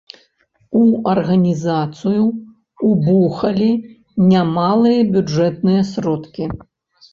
У арганізацыю ўбухалі немалыя бюджэтных сродкі.